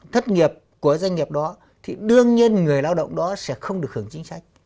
thất nghiệp của doanh nghiệp đó thì đương nhiên người lao động đó sẽ không được hưởng chính sách